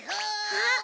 ・あっ！